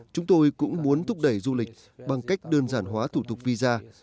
chúng tôi cũng muốn thúc đẩy du lịch bằng cách đơn giản hóa thủ tục visa